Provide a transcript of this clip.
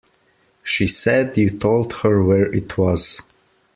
She said you told her where it was.